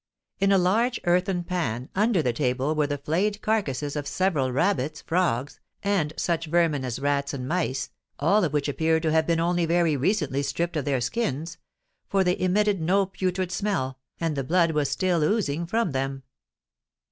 In a large earthen pan under the table were the flayed carcasses of several rabbits, frogs, and such vermin as rats and mice, all of which appeared to have been only very recently stripped of their skins—for they emitted no putrid smell, and the blood was still oozing from them.